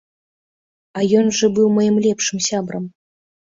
А ён жа быў маім лепшым сябрам!